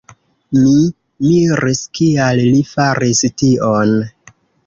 Mi miris, kial li faris tion.